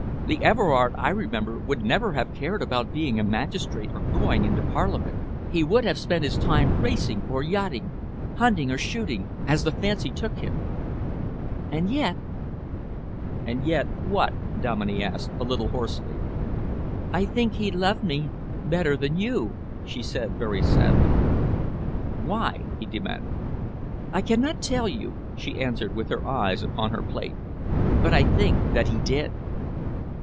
The Everard I remember would never have cared about being a magistrate or going into Parliament. He would have spent his time racing or yachting, hunting or shooting, as the fancy took him. And yet " "And yet what?" Dominey asked, a little hoarsely. "I think he loved me better than you," she said very sadly. "Why?" he demanded. "I cannot tell you," she answered, with her eyes upon her plate, "but I think that he did."